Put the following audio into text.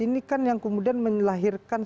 ini kan yang kemudian melahirkan